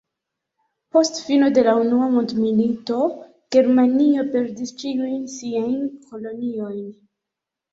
Post fino de la unua mondmilito, Germanio perdis ĉiujn siajn koloniojn.